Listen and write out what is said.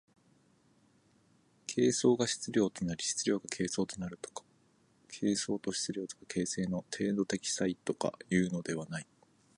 形相が質料となり質料が形相となるとか、形相と質料とか形成の程度的差異とかというのではない。